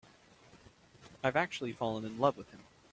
I've actually fallen in love with him.